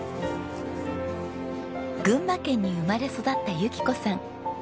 群馬県に生まれ育った由紀子さん。